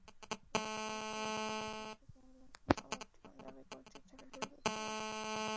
এরপর ফোরকানের কাছে চার লাখ টাকা মুক্তিপণ দাবি করতে থাকে দুর্বৃত্তরা।